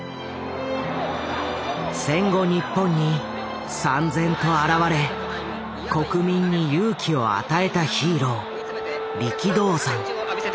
戦後日本にさん然と現れ国民に勇気を与えたヒーロー力道山。